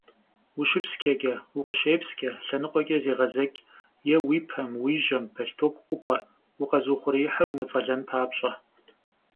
УщыпсчэкӀэ, укъыщепскӀэ лъэныкъуэкӀэ зегъэзэкӀ е уи пэм, уи жьэм бэлътоку ӀупӀэ, укъэзыухъуреихьхэр умыцӀэлэн папщӀэ.